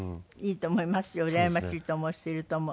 うらやましいと思う人いると思う。